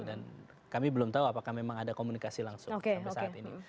dan kami belum tahu apakah memang ada komunikasi langsung sampai saat ini